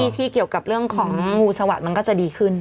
ที่เกี่ยวกับเรื่องของงูสวัสดิมันก็จะดีขึ้น